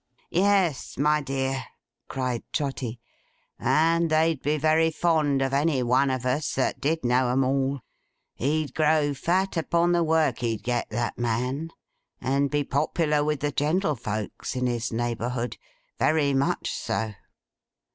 'Yes, my dear,' cried Trotty; 'and they'd be very fond of any one of us that did know 'em all. He'd grow fat upon the work he'd get, that man, and be popular with the gentlefolks in his neighbourhood. Very much so!